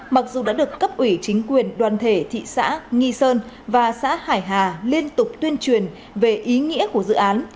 mặc dù đã được cấp ủy chính quyền đoàn thể thị xã nghi sơn và xã hải hà liên tục tuyên truyền về ý nghĩa của dự án